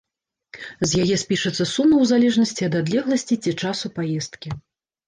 З яе спішацца сума у залежнасці ад адлегласці ці часу паездкі.